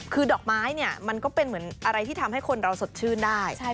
คือดอกไม้เนี่ยมันก็เป็นเหมือนอะไรที่ทำให้คนเราสดชื่นได้